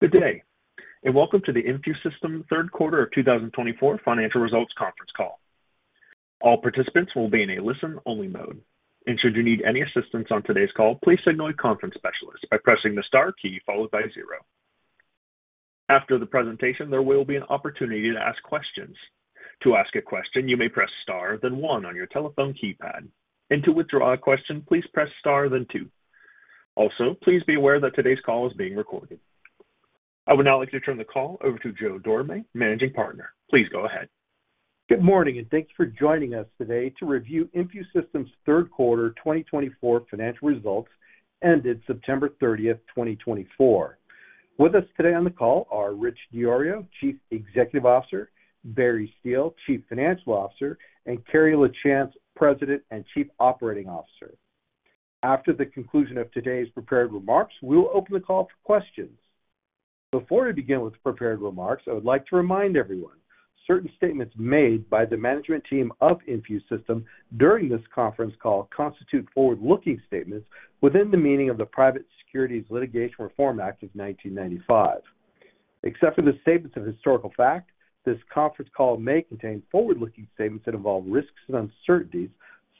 Good day, and welcome to the InfuSystem third quarter of 2024 financial results conference call. All participants will be in a listen-only mode, and should you need any assistance on today's call, please signal a conference specialist by pressing the star key followed by zero. After the presentation, there will be an opportunity to ask questions. To ask a question, you may press star, then one on your telephone keypad, and to withdraw a question, please press star, then two. Also, please be aware that today's call is being recorded. I would now like to turn the call over to Joe Dorame, Managing Partner. Please go ahead. Good morning, and thanks for joining us today to review InfuSystem's third quarter 2024 financial results ended September 30th, 2024. With us today on the call are Rich DiIorio, Chief Executive Officer, Barry Steele, Chief Financial Officer, and Carrie Lachance, President and Chief Operating Officer. After the conclusion of today's prepared remarks, we will open the call for questions. Before we begin with prepared remarks, I would like to remind everyone certain statements made by the management team of InfuSystem during this conference call constitute forward-looking statements within the meaning of the Private Securities Litigation Reform Act of 1995. Except for the statements of historical fact, this conference call may contain forward-looking statements that involve risks and uncertainties,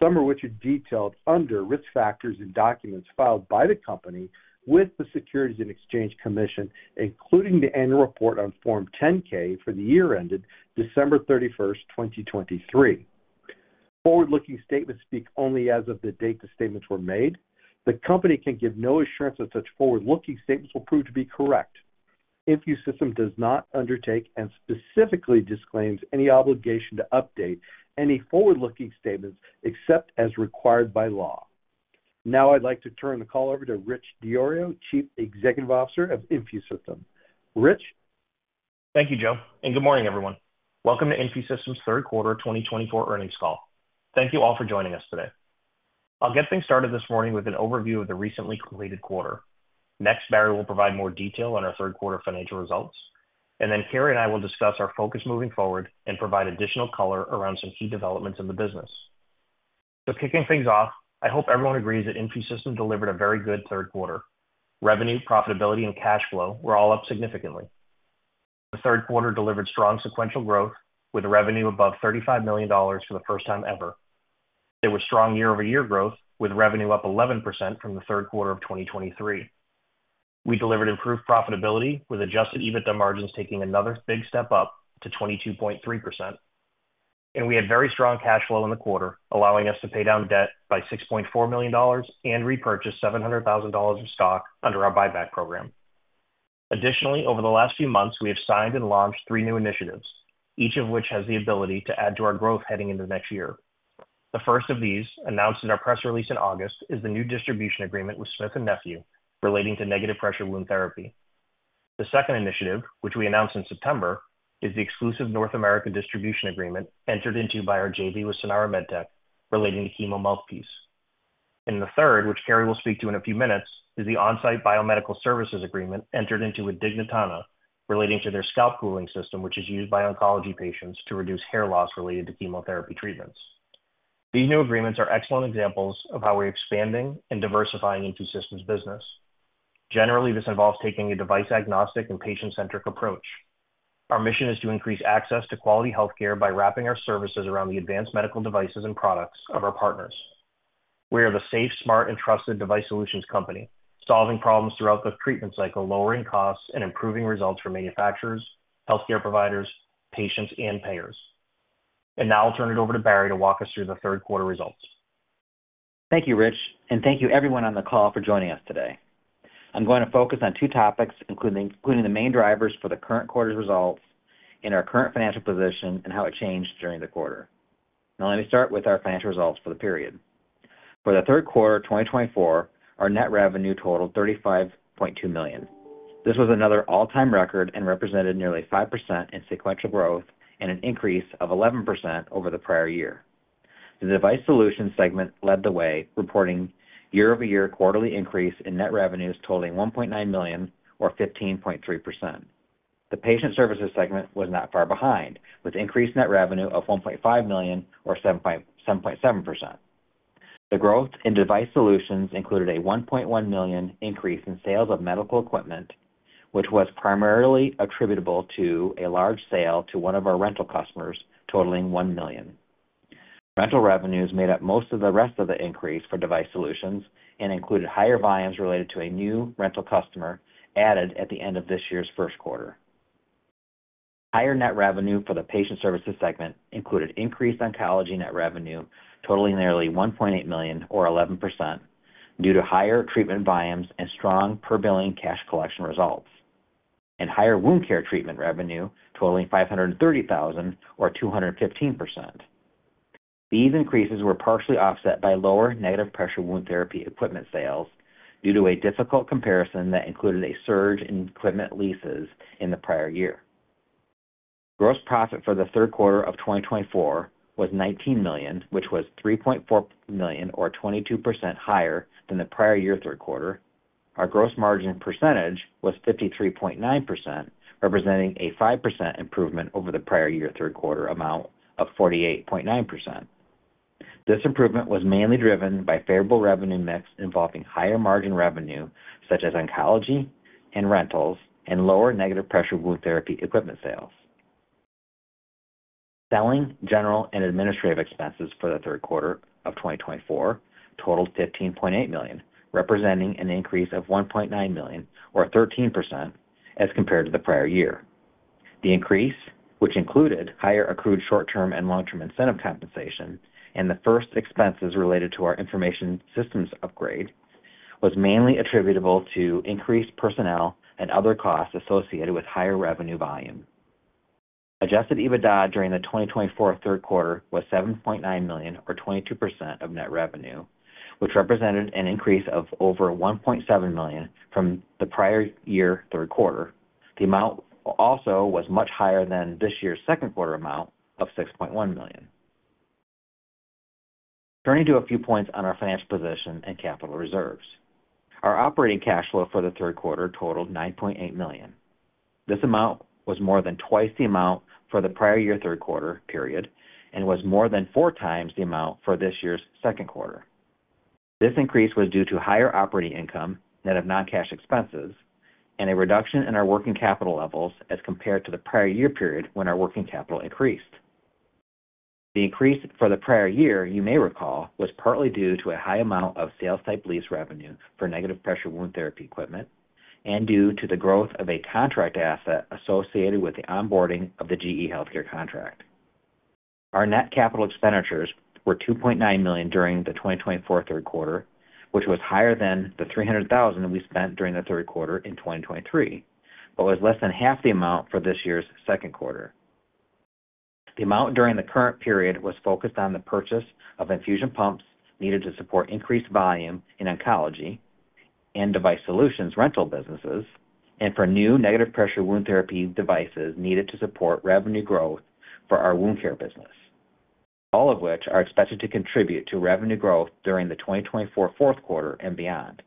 some of which are detailed under risk factors in documents filed by the company with the Securities and Exchange Commission, including the annual report on Form 10-K for the year ended December 31st, 2023. Forward-looking statements speak only as of the date the statements were made. The company can give no assurance that such forward-looking statements will prove to be correct. InfuSystem does not undertake and specifically disclaims any obligation to update any forward-looking statements except as required by law. Now, I'd like to turn the call over to Rich DiIorio, Chief Executive Officer of InfuSystem. Rich. Thank you, Joe, and good morning, everyone. Welcome to InfuSystem's third quarter 2024 earnings call. Thank you all for joining us today. I'll get things started this morning with an overview of the recently completed quarter. Next, Barry will provide more detail on our third quarter financial results, and then Carrie and I will discuss our focus moving forward and provide additional color around some key developments in the business. Kicking things off, I hope everyone agrees that InfuSystem delivered a very good third quarter. Revenue, profitability, and cash flow were all up significantly. The third quarter delivered strong sequential growth with revenue above $35 million for the first time ever. There was strong year-over-year growth with revenue up 11% from the third quarter of 2023. We delivered improved profitability with adjusted EBITDA margins taking another big step up to 22.3%, and we had very strong cash flow in the quarter, allowing us to pay down debt by $6.4 million and repurchase $700,000 of stock under our buyback program. Additionally, over the last few months, we have signed and launched three new initiatives, each of which has the ability to add to our growth heading into the next year. The first of these, announced in our press release in August, is the new distribution agreement with Smith+Nephew relating to negative pressure wound therapy. The second initiative, which we announced in September, is the exclusive North America distribution agreement entered into by our JV with Sanara MedTech relating to Chemo Mouthpiece. And the third, which Carrie will speak to in a few minutes, is the on-site biomedical services agreement entered into with Dignitana relating to their scalp cooling system, which is used by oncology patients to reduce hair loss related to chemotherapy treatments. These new agreements are excellent examples of how we're expanding and diversifying InfuSystem's business. Generally, this involves taking a device-agnostic and patient-centric approach. Our mission is to increase access to quality healthcare by wrapping our services around the advanced medical devices and products of our partners. We are the safe, smart, and trusted device solutions company, solving problems throughout the treatment cycle, lowering costs, and improving results for manufacturers, healthcare providers, patients, and payers. And now I'll turn it over to Barry to walk us through the third quarter results. Thank you, Rich, and thank you everyone on the call for joining us today. I'm going to focus on two topics, including the main drivers for the current quarter's results and our current financial position and how it changed during the quarter. Now, let me start with our financial results for the period. For the third quarter 2024, our net revenue totaled $35.2 million. This was another all-time record and represented nearly 5% in sequential growth and an increase of 11% over the prior year. The Device Solutions segment led the way, reporting year-over-year quarterly increase in net revenues totaling $1.9 million, or 15.3%. The Patient Services segment was not far behind, with increased net revenue of $1.5 million, or 7.7%. The growth in Device Solutions included a $1.1 million increase in sales of medical equipment, which was primarily attributable to a large sale to one of our rental customers, totaling $1 million. Rental revenues made up most of the rest of the increase for Device Solutions and included higher volumes related to a new rental customer added at the end of this year's first quarter. Higher net revenue for the Patient Services segment included increased oncology net revenue, totaling nearly $1.8 million, or 11%, due to higher treatment volumes and strong per-billing cash collection results, and higher wound care treatment revenue, totaling $530,000, or 215%. These increases were partially offset by lower negative pressure wound therapy equipment sales due to a difficult comparison that included a surge in equipment leases in the prior year. Gross profit for the third quarter of 2024 was $19 million, which was $3.4 million, or 22% higher than the prior year third quarter. Our gross margin percentage was 53.9%, representing a 5% improvement over the prior year third quarter amount of 48.9%. This improvement was mainly driven by favorable revenue mix involving higher margin revenue, such as oncology and rentals, and lower negative pressure wound therapy equipment sales. Selling, general, and administrative expenses for the third quarter of 2024 totaled $15.8 million, representing an increase of $1.9 million, or 13%, as compared to the prior year. The increase, which included higher accrued short-term and long-term incentive compensation and the first expenses related to our information systems upgrade, was mainly attributable to increased personnel and other costs associated with higher revenue volume. Adjusted EBITDA during the 2024 third quarter was $7.9 million, or 22% of net revenue, which represented an increase of over $1.7 million from the prior year third quarter. The amount also was much higher than this year's second quarter amount of $6.1 million. Turning to a few points on our financial position and capital reserves, our operating cash flow for the third quarter totaled $9.8 million. This amount was more than twice the amount for the prior year third quarter period and was more than four times the amount for this year's second quarter. This increase was due to higher operating income net of non-cash expenses and a reduction in our working capital levels as compared to the prior year period when our working capital increased. The increase for the prior year, you may recall, was partly due to a high amount of sales-type lease revenue for negative pressure wound therapy equipment and due to the growth of a contract asset associated with the onboarding of the GE Healthcare contract. Our net capital expenditures were $2.9 million during the 2024 third quarter, which was higher than the $300,000 we spent during the third quarter in 2023, but was less than half the amount for this year's second quarter. The amount during the current period was focused on the purchase of infusion pumps needed to support increased volume in oncology and device solutions rental businesses and for new negative pressure wound therapy devices needed to support revenue growth for our wound care business, all of which are expected to contribute to revenue growth during the 2024 fourth quarter and beyond.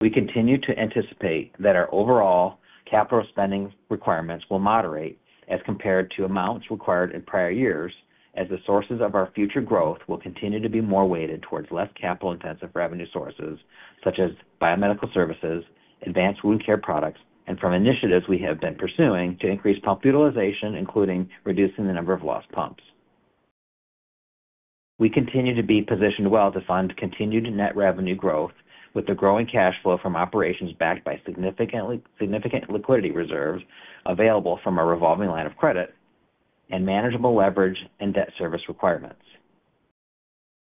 We continue to anticipate that our overall capital spending requirements will moderate as compared to amounts required in prior years, as the sources of our future growth will continue to be more weighted towards less capital-intensive revenue sources, such as biomedical services, advanced wound care products, and from initiatives we have been pursuing to increase pump utilization, including reducing the number of lost pumps. We continue to be positioned well to fund continued net revenue growth with the growing cash flow from operations backed by significant liquidity reserves available from our revolving line of credit and manageable leverage and debt service requirements.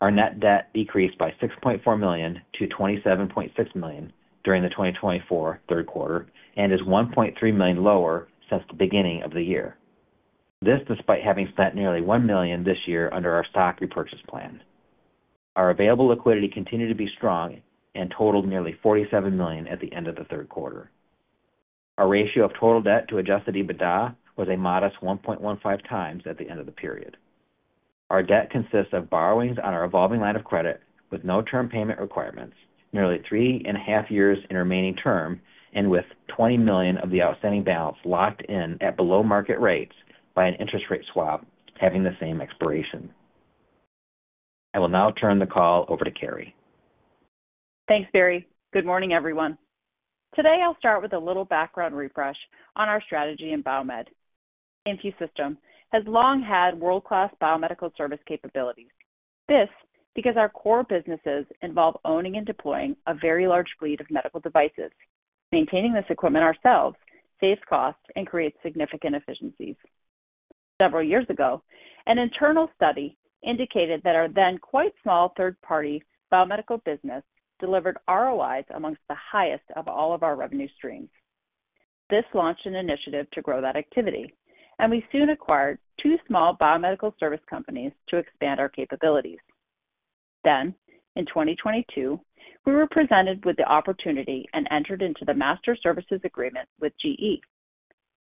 Our net debt decreased by $6.4 million to $27.6 million during the 2024 third quarter and is $1.3 million lower since the beginning of the year. This despite having spent nearly $1 million this year under our stock repurchase plan. Our available liquidity continued to be strong and totaled nearly $47 million at the end of the third quarter. Our ratio of total debt to adjusted EBITDA was a modest 1.15x at the end of the period. Our debt consists of borrowings on our revolving line of credit with no term payment requirements, nearly three and a half years in remaining term, and with $20 million of the outstanding balance locked in at below market rates by an interest rate swap having the same expiration. I will now turn the call over to Carrie. Thanks, Barry. Good morning, everyone. Today, I'll start with a little background refresh on our strategy in biomed. InfuSystem has long had world-class biomedical service capabilities. This is because our core businesses involve owning and deploying a very large fleet of medical devices. Maintaining this equipment ourselves saves costs and creates significant efficiencies. Several years ago, an internal study indicated that our then quite small third-party biomedical business delivered ROIs amongst the highest of all of our revenue streams. This launched an initiative to grow that activity, and we soon acquired two small biomedical service companies to expand our capabilities. Then, in 2022, we were presented with the opportunity and entered into the master services agreement with GE.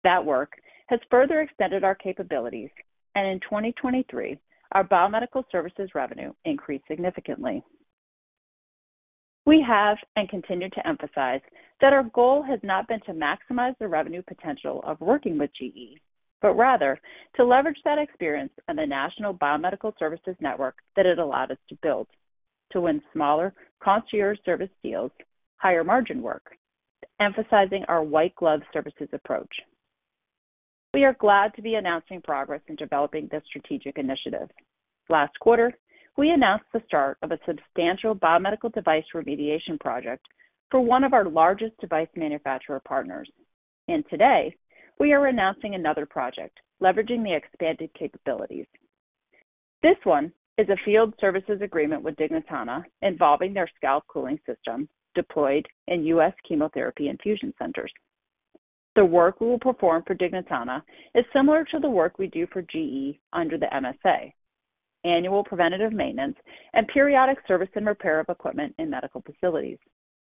That work has further extended our capabilities, and in 2023, our biomedical services revenue increased significantly. We have and continue to emphasize that our goal has not been to maximize the revenue potential of working with GE, but rather to leverage that experience and the national biomedical services network that it allowed us to build to win smaller, cost-tier service deals, higher-margin work, emphasizing our white-glove services approach. We are glad to be announcing progress in developing this strategic initiative. Last quarter, we announced the start of a substantial biomedical device remediation project for one of our largest device manufacturer partners, and today, we are announcing another project leveraging the expanded capabilities. This one is a field services agreement with Dignitana involving their scalp cooling system deployed in U.S. chemotherapy infusion centers. The work we will perform for Dignitana is similar to the work we do for GE under the MSA: Annual Preventative Maintenance and periodic service and repair of equipment in medical facilities,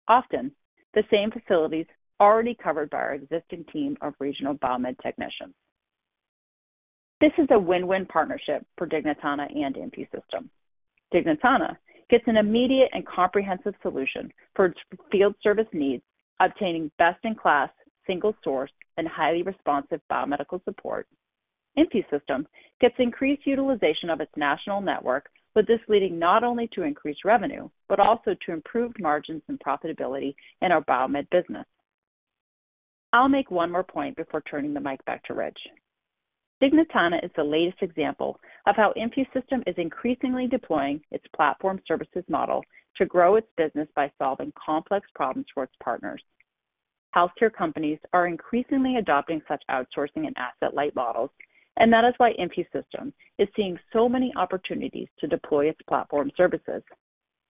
often the same facilities already covered by our existing team of regional biomed technicians. This is a win-win partnership for Dignitana and InfuSystem. Dignitana gets an immediate and comprehensive solution for its field service needs, obtaining best-in-class, single-source, and highly responsive biomedical support. InfuSystem gets increased utilization of its national network, with this leading not only to increased revenue, but also to improved margins and profitability in our biomed business. I'll make one more point before turning the mic back to Rich. Dignitana is the latest example of how InfuSystem is increasingly deploying its platform services model to grow its business by solving complex problems for its partners. Healthcare companies are increasingly adopting such outsourcing and asset-light models, and that is why InfuSystem is seeing so many opportunities to deploy its platform services.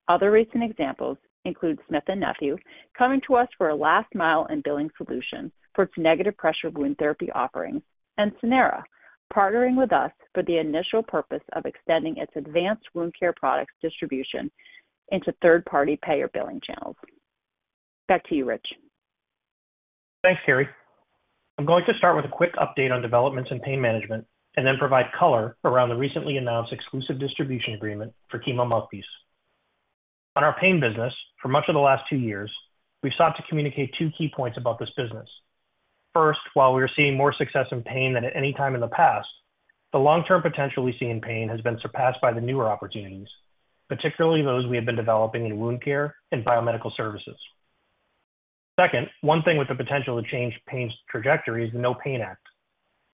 Other recent examples include Smith+Nephew coming to us for a last-mile and billing solution for its negative pressure wound therapy offerings, and Sanara partnering with us for the initial purpose of extending its advanced wound care products distribution into third-party payer billing channels. Back to you, Rich. Thanks, Carrie. I'm going to start with a quick update on developments in pain management and then provide color around the recently announced exclusive distribution agreement for Chemo Mouthpiece. On our pain business, for much of the last two years, we've sought to communicate two key points about this business. First, while we are seeing more success in pain than at any time in the past, the long-term potential we see in pain has been surpassed by the newer opportunities, particularly those we have been developing in wound care and biomedical services. Second, one thing with the potential to change pain's trajectory is the NOPAIN Act,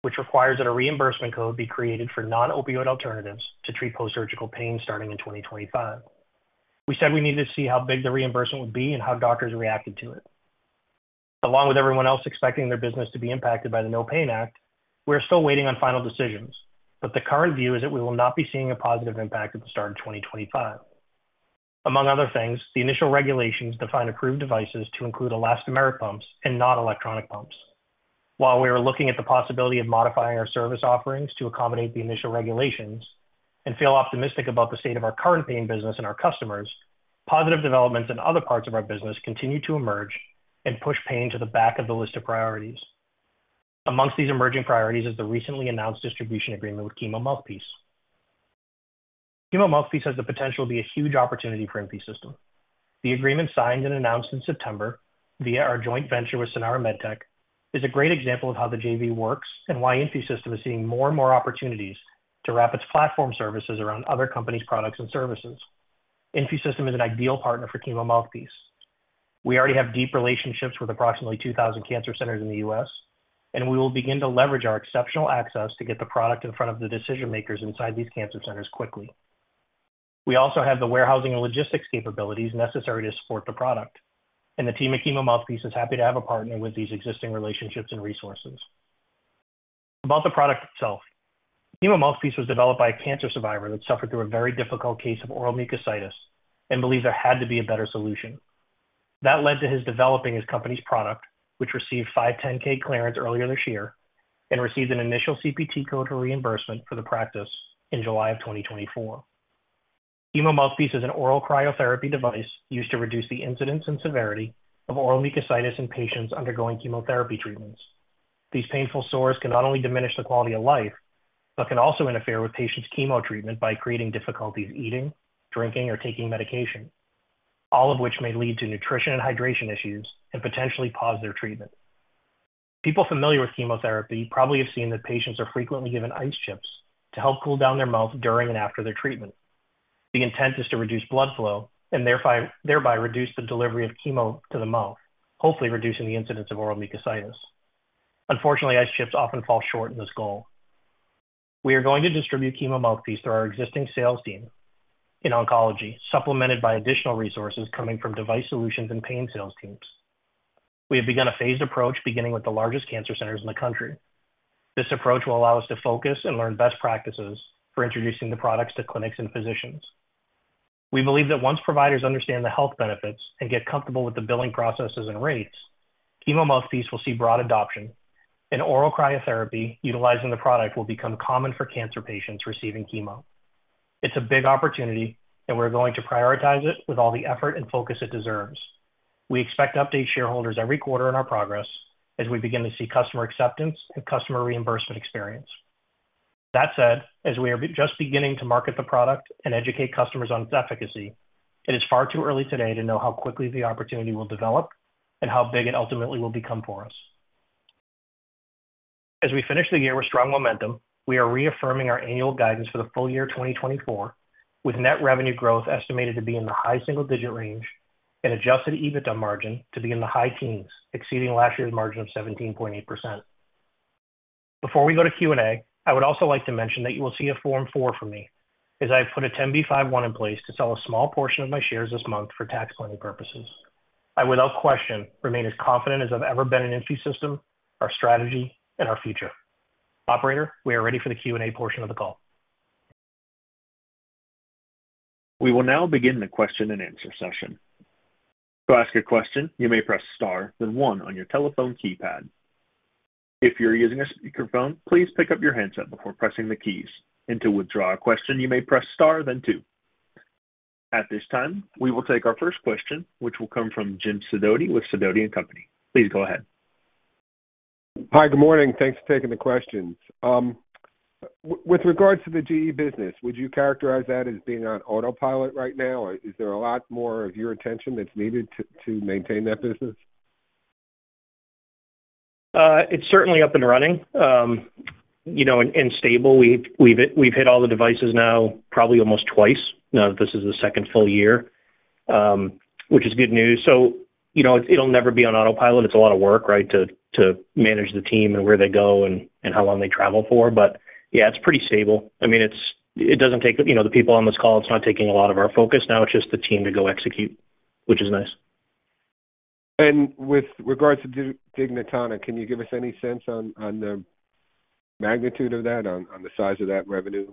which requires that a reimbursement code be created for non-opioid alternatives to treat post-surgical pain starting in 2025. We said we needed to see how big the reimbursement would be and how doctors reacted to it. Along with everyone else expecting their business to be impacted by the NOPAIN Act, we are still waiting on final decisions, but the current view is that we will not be seeing a positive impact at the start of 2025. Among other things, the initial regulations define approved devices to include elastomeric pumps and non-electronic pumps. While we are looking at the possibility of modifying our service offerings to accommodate the initial regulations and feel optimistic about the state of our current pain business and our customers, positive developments in other parts of our business continue to emerge and push pain to the back of the list of priorities. Among these emerging priorities is the recently announced distribution agreement with Chemo Mouthpiece. Chemo Mouthpiece has the potential to be a huge opportunity for InfuSystem. The agreement signed and announced in September via our joint venture with Sanara MedTech is a great example of how the JV works and why InfuSystem is seeing more and more opportunities to wrap its platform services around other companies' products and services. InfuSystem is an ideal partner for Chemo Mouthpiece. We already have deep relationships with approximately 2,000 cancer centers in the U.S., and we will begin to leverage our exceptional access to get the product in front of the decision-makers inside these cancer centers quickly. We also have the warehousing and logistics capabilities necessary to support the product, and the team at Chemo Mouthpiece is happy to have a partner with these existing relationships and resources. About the product itself, Chemo Mouthpiece was developed by a cancer survivor that suffered through a very difficult case of oral mucositis and believed there had to be a better solution. That led to his developing his company's product, which received 510(k) clearance earlier this year and received an initial CPT code for reimbursement for the practice in July of 2024. Chemo Mouthpiece is an oral cryotherapy device used to reduce the incidence and severity of oral mucositis in patients undergoing chemotherapy treatments. These painful sores can not only diminish the quality of life, but can also interfere with patients' chemo treatment by creating difficulties eating, drinking, or taking medication, all of which may lead to nutrition and hydration issues and potentially pause their treatment. People familiar with chemotherapy probably have seen that patients are frequently given ice chips to help cool down their mouth during and after their treatment. The intent is to reduce blood flow and thereby reduce the delivery of chemo to the mouth, hopefully reducing the incidence of oral mucositis. Unfortunately, ice chips often fall short in this goal. We are going to distribute Chemo Mouthpiece through our existing sales team in oncology, supplemented by additional resources coming from Device Solutions and pain sales teams. We have begun a phased approach, beginning with the largest cancer centers in the country. This approach will allow us to focus and learn best practices for introducing the products to clinics and physicians. We believe that once providers understand the health benefits and get comfortable with the billing processes and rates, Chemo Mouthpiece will see broad adoption, and oral cryotherapy utilizing the product will become common for cancer patients receiving chemo. It's a big opportunity, and we're going to prioritize it with all the effort and focus it deserves. We expect to update shareholders every quarter on our progress as we begin to see customer acceptance and customer reimbursement experience. That said, as we are just beginning to market the product and educate customers on its efficacy, it is far too early today to know how quickly the opportunity will develop and how big it ultimately will become for us. As we finish the year with strong momentum, we are reaffirming our annual guidance for the full year 2024, with net revenue growth estimated to be in the high single-digit range and adjusted EBITDA margin to be in the high teens, exceeding last year's margin of 17.8%. Before we go to Q&A, I would also like to mention that you will see a Form 4 from me, as I have put a 10b5-1 in place to sell a small portion of my shares this month for tax planning purposes. I, without question, remain as confident as I've ever been in InfuSystem, our strategy, and our future. Operator, we are ready for the Q&A portion of the call. We will now begin the question and answer session. To ask a question, you may press star, then one on your telephone keypad. If you're using a speakerphone, please pick up your handset before pressing the keys. And to withdraw a question, you may press star, then two. At this time, we will take our first question, which will come from Jim Sidoti with Sidoti & Company. Please go ahead. Hi, good morning. Thanks for taking the questions. With regards to the GE business, would you characterize that as being on autopilot right now? Is there a lot more of your attention that's needed to maintain that business? It's certainly up and running and stable. We've hit all the devices now probably almost twice. Now, this is the second full year, which is good news. So it'll never be on autopilot. It's a lot of work, right, to manage the team and where they go and how long they travel for. But yeah, it's pretty stable. I mean, it doesn't take the people on this call. It's not taking a lot of our focus now. It's just the team to go execute, which is nice. With regards to Dignitana, can you give us any sense on the magnitude of that, on the size of that revenue?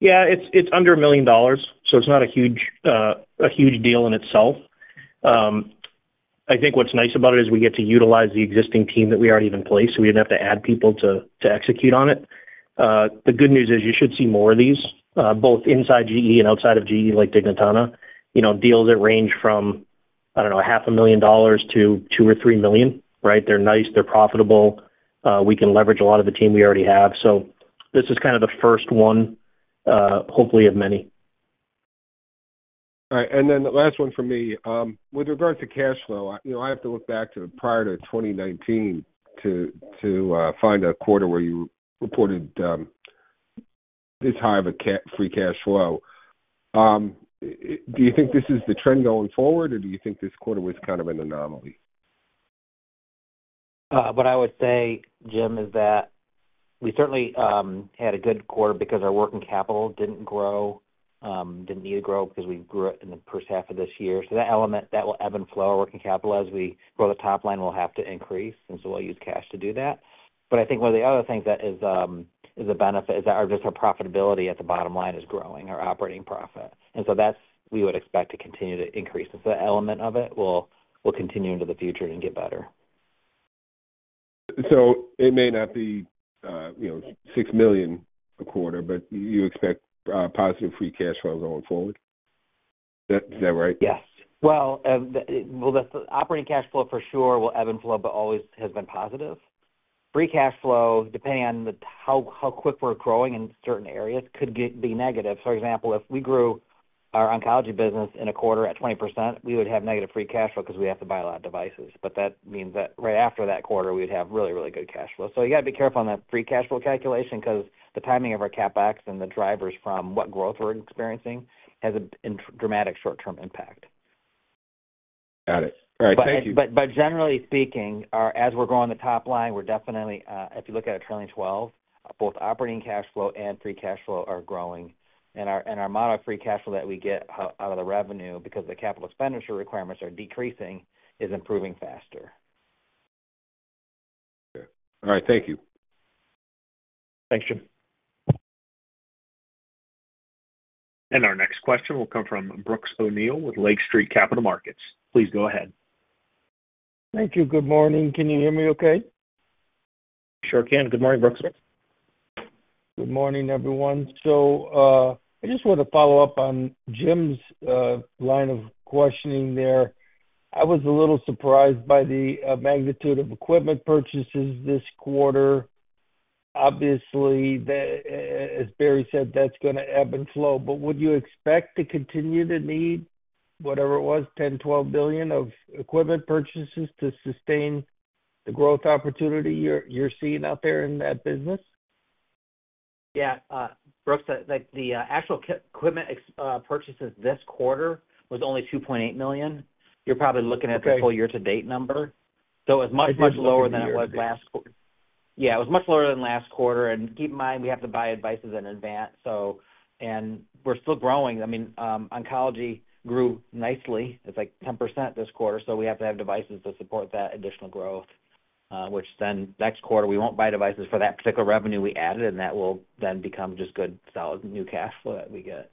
Yeah, it's under $1 million, so it's not a huge deal in itself. I think what's nice about it is we get to utilize the existing team that we already have in place, so we didn't have to add people to execute on it. The good news is you should see more of these, both inside GE and outside of GE, like Dignitana. Deals that range from, I don't know, $500,000 to $2 million-$3 million, right? They're nice. They're profitable. We can leverage a lot of the team we already have. So this is kind of the first one, hopefully of many. All right. And then the last one for me. With regards to cash flow, I have to look back to prior to 2019 to find a quarter where you reported this high of a free cash flow. Do you think this is the trend going forward, or do you think this quarter was kind of an anomaly? What I would say, Jim, is that we certainly had a good quarter because our working capital didn't grow, didn't need to grow because we grew it in the first half of this year, so that element, that will ebb and flow. Our working capital, as we grow the top line, will have to increase, and so we'll use cash to do that, but I think one of the other things that is a benefit is that our profitability at the bottom line is growing, our operating profit, and so that's we would expect to continue to increase, and so that element of it will continue into the future and get better. It may not be $6 million a quarter, but you expect positive free cash flow going forward. Is that right? Yes. Well, the operating cash flow for sure will ebb and flow, but always has been positive. Free cash flow, depending on how quick we're growing in certain areas, could be negative. For example, if we grew our oncology business in a quarter at 20%, we would have negative free cash flow because we have to buy a lot of devices. But that means that right after that quarter, we would have really, really good cash flow. So you got to be careful on that free cash flow calculation because the timing of our CapEx and the drivers from what growth we're experiencing has a dramatic short-term impact. Got it. All right. Thank you. But generally speaking, as we're growing the top line, we're definitely, if you look at a trailing 12, both operating cash flow and free cash flow are growing. And our modified free cash flow that we get out of the revenue because the capital expenditure requirements are decreasing is improving faster. Okay. All right. Thank you. Thanks, Jim. Our next question will come from Brooks O'Neil with Lake Street Capital Markets. Please go ahead. Thank you. Good morning. Can you hear me okay? Sure can. Good morning, Brooks. Good morning, everyone. So I just want to follow up on Jim's line of questioning there. I was a little surprised by the magnitude of equipment purchases this quarter. Obviously, as Barry said, that's going to ebb and flow. But would you expect to continue to need whatever it was, $10-12 billion of equipment purchases to sustain the growth opportunity you're seeing out there in that business? Yeah. Brooks, the actual equipment purchases this quarter was only $2.8 million. You're probably looking at the full year-to-date number. So it was much, much lower than it was last quarter. Yeah, it was much lower than last quarter. And keep in mind, we have to buy devices in advance. And we're still growing. I mean, oncology grew nicely. It's like 10% this quarter. So we have to have devices to support that additional growth, which then next quarter, we won't buy devices for that particular revenue we added, and that will then become just good, solid new cash flow that we get.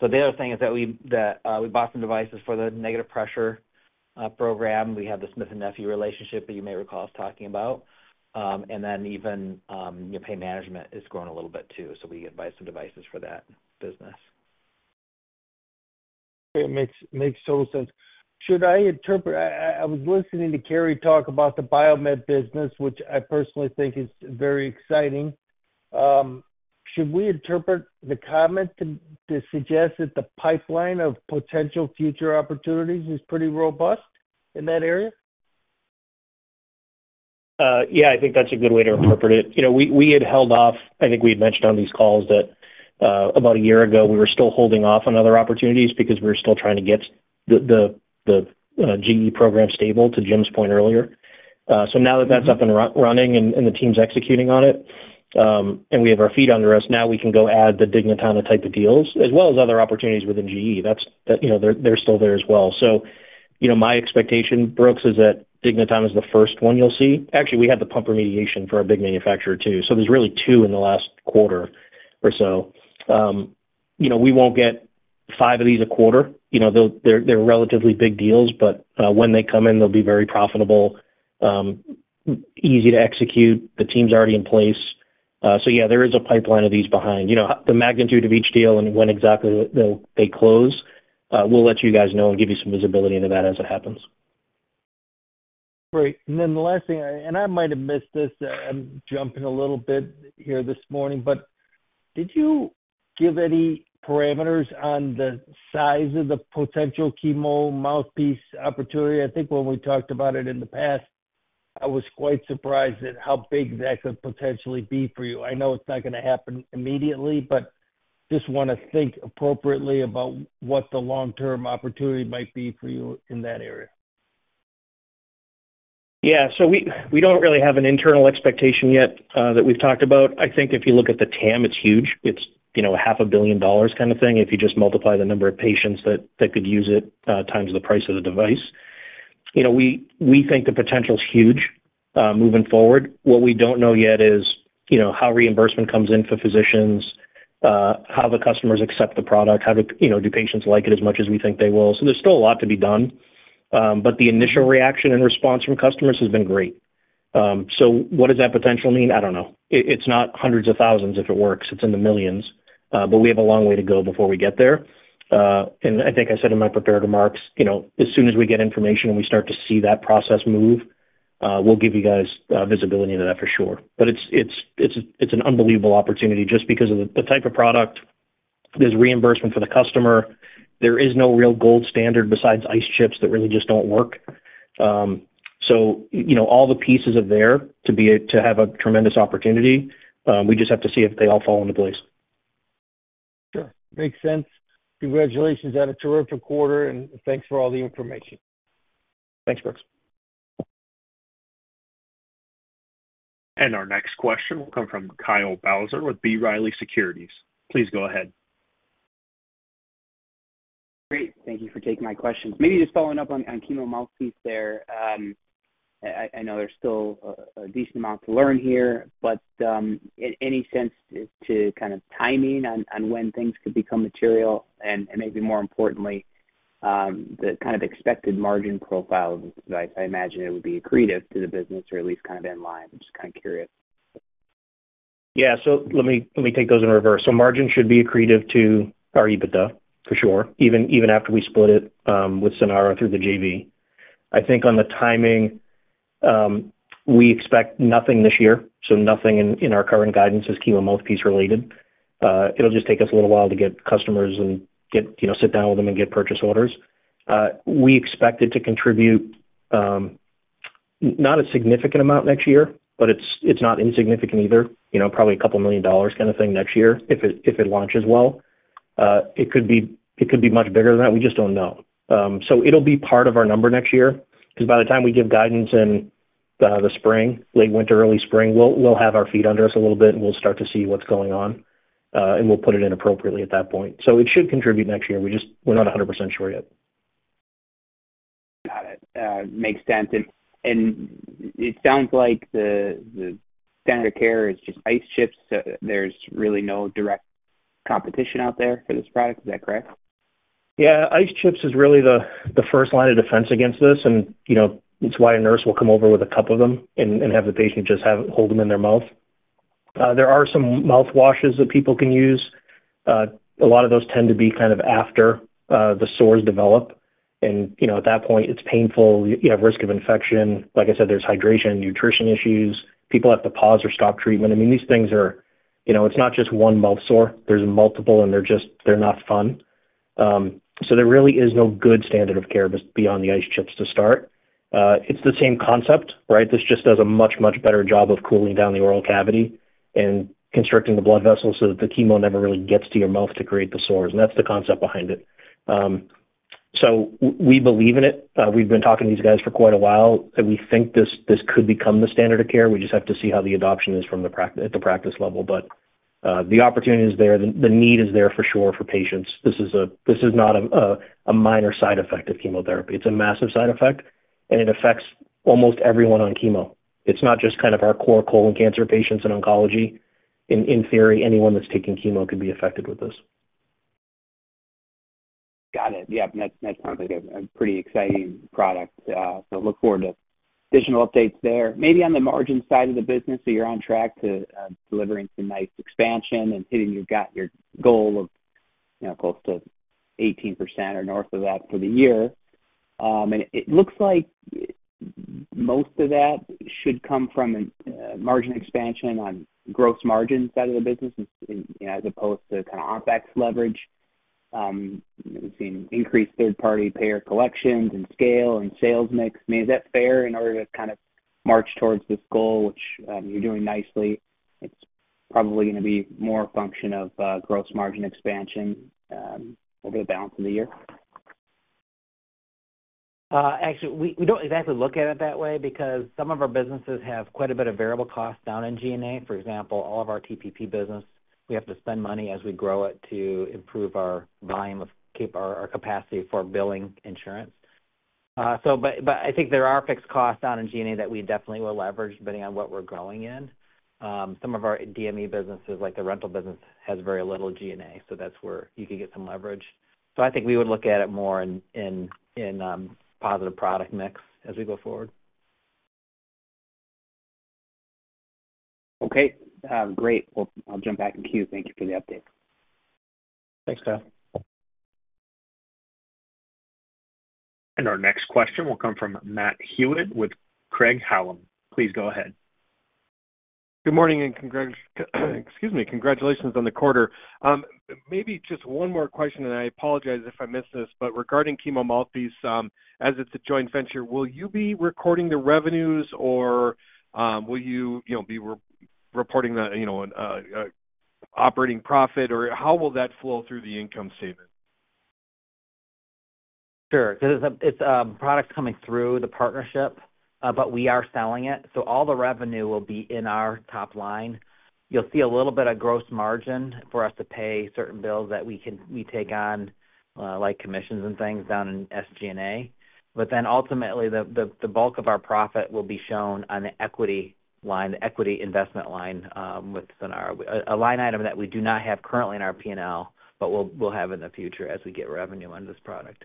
So the other thing is that we bought some devices for the negative pressure program. We have the Smith+Nephew relationship that you may recall us talking about. And then even payer management is growing a little bit too. We can buy some devices for that business. Okay. Makes total sense. Should I interpret? I was listening to Carrie talk about the biomed business, which I personally think is very exciting. Should we interpret the comment to suggest that the pipeline of potential future opportunities is pretty robust in that area? Yeah, I think that's a good way to interpret it. We had held off. I think we had mentioned on these calls that about a year ago, we were still holding off on other opportunities because we were still trying to get the GE program stable, to Jim's point earlier. So now that that's up and running and the team's executing on it, and we have our feet under us, now we can go add the Dignitana type of deals, as well as other opportunities within GE. They're still there as well. So my expectation, Brooks, is that Dignitana is the first one you'll see. Actually, we had the pump remediation for our big manufacturer too. So there's really two in the last quarter or so. We won't get five of these a quarter. They're relatively big deals, but when they come in, they'll be very profitable, easy to execute. The team's already in place. So yeah, there is a pipeline of these behind. The magnitude of each deal and when exactly they close, we'll let you guys know and give you some visibility into that as it happens. Great. And then the last thing, and I might have missed this. I'm jumping a little bit here this morning, but did you give any parameters on the size of the potential Chemo Mouthpiece opportunity? I think when we talked about it in the past, I was quite surprised at how big that could potentially be for you. I know it's not going to happen immediately, but just want to think appropriately about what the long-term opportunity might be for you in that area. Yeah, so we don't really have an internal expectation yet that we've talked about. I think if you look at the TAM, it's huge. It's $500 million kind of thing if you just multiply the number of patients that could use it times the price of the device. We think the potential is huge moving forward. What we don't know yet is how reimbursement comes in for physicians, how the customers accept the product, how do patients like it as much as we think they will. So there's still a lot to be done. But the initial reaction and response from customers has been great. So what does that potential mean? I don't know. It's not hundreds of thousands if it works. It's in the millions. But we have a long way to go before we get there. I think I said in my prepared remarks, as soon as we get information and we start to see that process move, we'll give you guys visibility into that for sure. But it's an unbelievable opportunity just because of the type of product. There's reimbursement for the customer. There is no real gold standard besides ice chips that really just don't work. All the pieces are there to have a tremendous opportunity. We just have to see if they all fall into place. Sure. Makes sense. Congratulations on a terrific quarter, and thanks for all the information. Thanks, Brooks. Our next question will come from Kyle Bauser with B. Riley Securities. Please go ahead. Great. Thank you for taking my questions. Maybe just following up on Chemo Mouthpiece there. I know there's still a decent amount to learn here, but any sense to kind of timing on when things could become material and maybe more importantly, the kind of expected margin profile of this device? I imagine it would be accretive to the business or at least kind of in line. I'm just kind of curious. Yeah. So let me take those in reverse. So margin should be accretive to our EBITDA, for sure, even after we split it with Sanara through the JV. I think on the timing, we expect nothing this year. So nothing in our current guidance is Chemo Mouthpiece related. It'll just take us a little while to get customers and sit down with them and get purchase orders. We expect it to contribute not a significant amount next year, but it's not insignificant either. Probably $2 million kind of thing next year if it launches well. It could be much bigger than that. We just don't know. So it'll be part of our number next year because by the time we give guidance in the spring, late winter, early spring, we'll have our feet under us a little bit, and we'll start to see what's going on, and we'll put it in appropriately at that point. So it should contribute next year. We're not 100% sure yet. Got it. Makes sense. And it sounds like the standard of care is just ice chips. There's really no direct competition out there for this product. Is that correct? Yeah. Ice chips is really the first line of defense against this, and it's why a nurse will come over with a cup of them and have the patient just hold them in their mouth. There are some mouthwashes that people can use. A lot of those tend to be kind of after the sores develop. And at that point, it's painful. You have risk of infection. Like I said, there's hydration and nutrition issues. People have to pause or stop treatment. I mean, these things are, it's not just one mouth sore. There's multiple, and they're not fun. So there really is no good standard of care beyond the ice chips to start. It's the same concept, right? This just does a much, much better job of cooling down the oral cavity and constricting the blood vessels so that the chemo never really gets to your mouth to create the sores, and that's the concept behind it, so we believe in it. We've been talking to these guys for quite a while, that we think this could become the standard of care. We just have to see how the adoption is at the practice level, but the opportunity is there. The need is there for sure for patients. This is not a minor side effect of chemotherapy. It's a massive side effect, and it affects almost everyone on chemo. It's not just kind of our core colon cancer patients in oncology. In theory, anyone that's taking chemo could be affected with this. Got it. Yep. That sounds like a pretty exciting product. So look forward to additional updates there. Maybe on the margin side of the business, so you're on track to delivering some nice expansion and hitting your goal of close to 18% or north of that for the year. And it looks like most of that should come from margin expansion on gross margin side of the business as opposed to kind of OpEx leverage. We've seen increased third-party payer collections and scale and sales mix. I mean, is that fair in order to kind of march towards this goal, which you're doing nicely? It's probably going to be more a function of gross margin expansion over the balance of the year. Actually, we don't exactly look at it that way because some of our businesses have quite a bit of variable costs down in G&A. For example, all of our TPP business, we have to spend money as we grow it to improve our volume of our capacity for billing insurance. But I think there are fixed costs down in G&A that we definitely will leverage depending on what we're growing in. Some of our DME businesses, like the rental business, has very little G&A. So that's where you can get some leverage. So I think we would look at it more in positive product mix as we go forward. Okay. Great. Well, I'll jump back in the queue. Thank you for the update. Thanks, Kyle. Our next question will come from Matt Hewitt with Craig-Hallum. Please go ahead. Good morning and congratulations on the quarter. Maybe just one more question, and I apologize if I missed this, but regarding Chemo Mouthpiece, as it's a joint venture, will you be recording the revenues, or will you be reporting the operating profit, or how will that flow through the income statement? Sure. It's a product coming through the partnership, but we are selling it. So all the revenue will be in our top line. You'll see a little bit of gross margin for us to pay certain bills that we take on, like commissions and things down in SG&A. But then ultimately, the bulk of our profit will be shown on the equity line, the equity investment line with Sanara. A line item that we do not have currently in our P&L, but we'll have in the future as we get revenue on this product.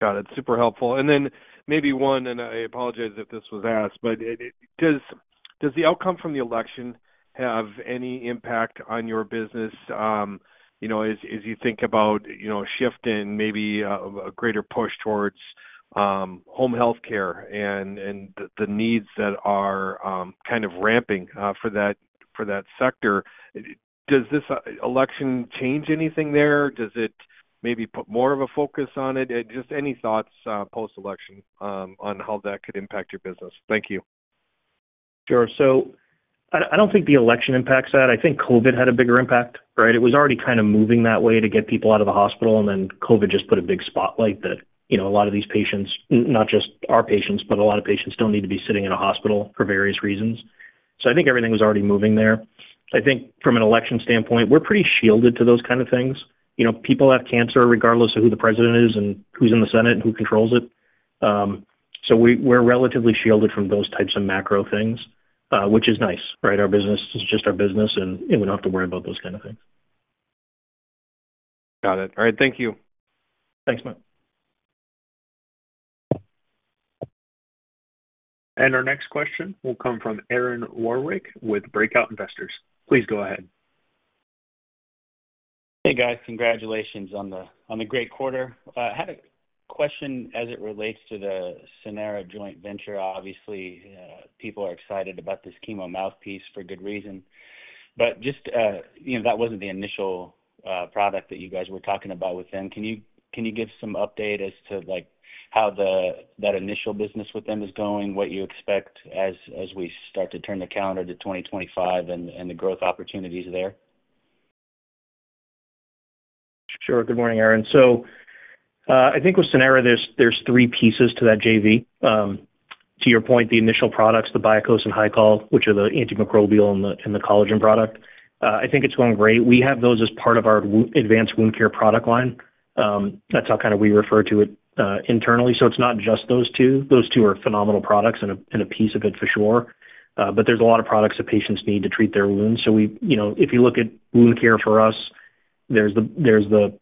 Got it. Super helpful. And then maybe one, and I apologize if this was asked, but does the outcome from the election have any impact on your business as you think about a shift and maybe a greater push towards home healthcare and the needs that are kind of ramping for that sector? Does this election change anything there? Does it maybe put more of a focus on it? Just any thoughts post-election on how that could impact your business? Thank you. Sure. So I don't think the election impacts that. I think COVID had a bigger impact, right? It was already kind of moving that way to get people out of the hospital, and then COVID just put a big spotlight that a lot of these patients, not just our patients, but a lot of patients don't need to be sitting in a hospital for various reasons. So I think everything was already moving there. I think from an election standpoint, we're pretty shielded to those kind of things. People have cancer regardless of who the president is and who's in the Senate and who controls it. So we're relatively shielded from those types of macro things, which is nice, right? Our business is just our business, and we don't have to worry about those kind of things. Got it. All right. Thank you. Thanks, Matt. Our next question will come from Aaron Warwick with Breakout Investors. Please go ahead. Hey, guys. Congratulations on the great quarter. I had a question as it relates to the Sanara joint venture. Obviously, people are excited about this chemo mouthpiece for good reason. But just that wasn't the initial product that you guys were talking about with them. Can you give some update as to how that initial business with them is going, what you expect as we start to turn the calendar to 2025 and the growth opportunities there? Sure. Good morning, Aaron. I think with Sanara, there are three pieces to that JV. To your point, the initial products, the BIAKŌS and HYCOL, which are the antimicrobial and the collagen product. I think it is going great. We have those as part of our advanced wound care product line. That is how kind of we refer to it internally. So it is not just those two. Those two are phenomenal products and a piece of it for sure. But there are a lot of products that patients need to treat their wounds. So if you look at wound care for us, there is the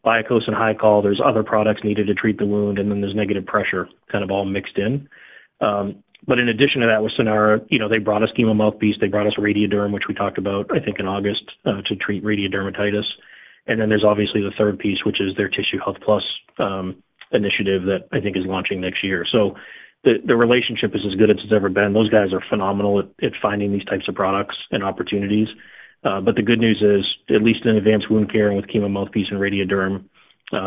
BIAKŌS and HYCOL. There are other products needed to treat the wound, and then there is negative pressure kind of all mixed in. But in addition to that with Sanara, they brought us Chemo Mouthpiece. They brought us Radiaderm, which we talked about, I think, in August to treat radiodermatitis. And then there's obviously the third piece, which is their Tissue Health Plus initiative that I think is launching next year. So the relationship is as good as it's ever been. Those guys are phenomenal at finding these types of products and opportunities. But the good news is, at least in advanced wound care and with Chemo Mouthpiece and Radiaderm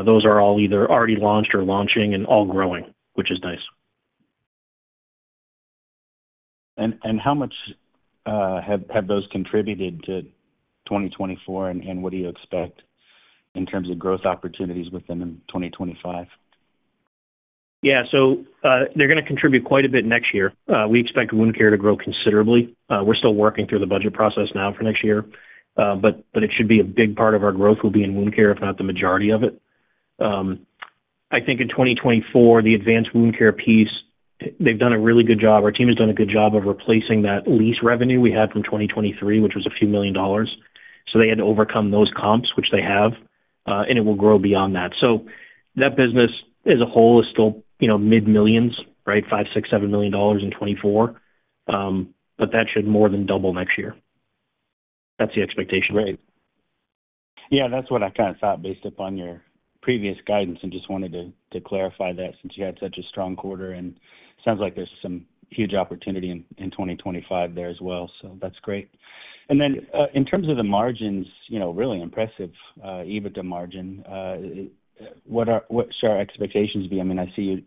those are all either already launched or launching and all growing, which is nice. How much have those contributed to 2024, and what do you expect in terms of growth opportunities within 2025? Yeah. So they're going to contribute quite a bit next year. We expect wound care to grow considerably. We're still working through the budget process now for next year, but it should be a big part of our growth will be in wound care, if not the majority of it. I think in 2024, the advanced wound care piece, they've done a really good job. Our team has done a good job of replacing that lease revenue we had from 2023, which was a few million dollars. So they had to overcome those comps, which they have, and it will grow beyond that. So that business as a whole is still mid-millions, right? $5, $6, $7 million in 2024, but that should more than double next year. That's the expectation. Right. Yeah. That's what I kind of thought based upon your previous guidance and just wanted to clarify that since you had such a strong quarter. It sounds like there's some huge opportunity in 2025 there as well. So that's great. And then in terms of the margins, really impressive EBITDA margin. What should our expectations be? I mean, I see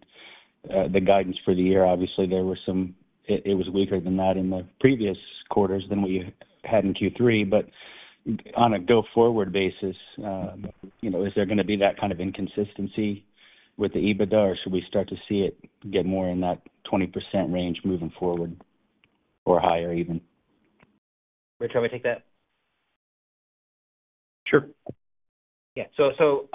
the guidance for the year. Obviously, there was some; it was weaker than that in the previous quarters than what you had in Q3. But on a go-forward basis, is there going to be that kind of inconsistency with the EBITDA, or should we start to see it get more in that 20% range moving forward or higher even? Richard, want to take that? Sure. Yeah. So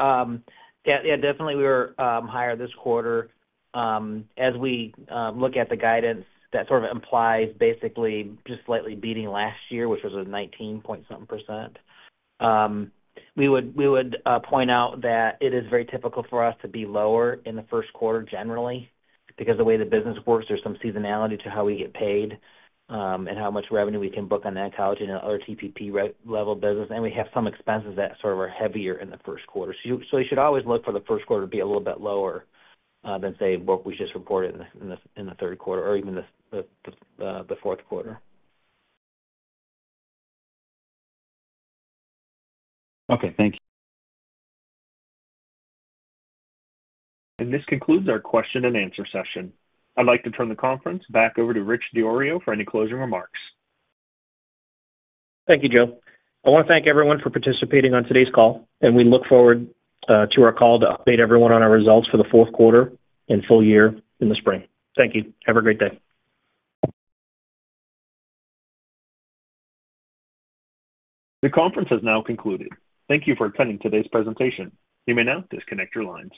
yeah, definitely we were higher this quarter. As we look at the guidance, that sort of implies basically just slightly beating last year, which was a 19-point-something percent. We would point out that it is very typical for us to be lower in the first quarter generally because the way the business works, there's some seasonality to how we get paid and how much revenue we can book on that college and other TPP level business, and we have some expenses that sort of are heavier in the first quarter, so you should always look for the first quarter to be a little bit lower than, say, what we just reported in the third quarter or even the fourth quarter. Okay. Thank you. This concludes our question and answer session. I'd like to turn the conference back over to Rich DiIorio for any closing remarks. Thank you, Joe. I want to thank everyone for participating on today's call, and we look forward to our call to update everyone on our results for the fourth quarter and full year in the spring. Thank you. Have a great day. The conference has now concluded. Thank you for attending today's presentation. You may now disconnect your lines.